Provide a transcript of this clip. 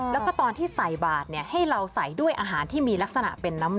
แล้วก็ตอนที่ใส่บาทให้เราใส่ด้วยอาหารที่มีลักษณะเป็นน้ำ